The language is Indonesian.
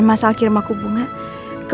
sama sama bu bos